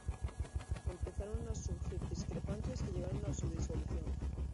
Empezaron a surgir discrepancias que llevaron a su disolución.